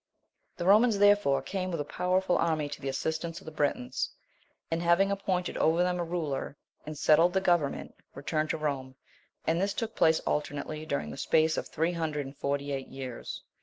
The Romans, therefore, came with a powerful army to the assistance of the Britons; and having appointed over them a ruler, and settled the government, returned to Rome: and this took place alternately during the space of three hundred and forty eight years.